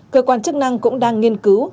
cơ quan chức năng cũng đang nghiên cứu